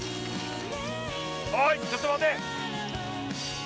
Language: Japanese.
おいっちょっと待て！